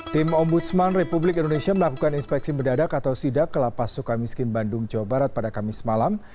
tim ombudsman republik indonesia melakukan inspeksi mendadak atau sidak ke lapas suka miskin bandung jawa barat pada kamis malam